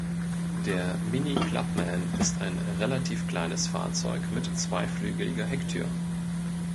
Der Mini Clubman ist ein relativ kleines Fahrzeug mit zweiflügeliger Hecktür.